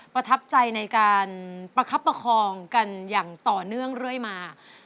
ประทับใจในการประคับประคองกันอย่างต่อเนื่องเรื่อยมา